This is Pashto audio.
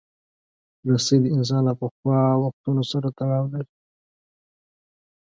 رسۍ د انسان له پخوا وختونو سره تړاو لري.